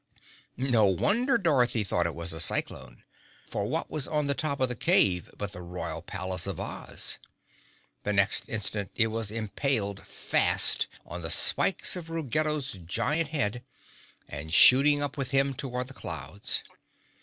No wonder Dorothy thought it was a cyclone! For what was on the top of the cave but the royal palace of Oz? The next instant it was impaled fast on the spikes of Ruggedo's giant head and shooting up with him toward the clouds.